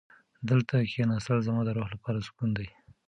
دلته کښېناستل زما د روح لپاره سکون دی.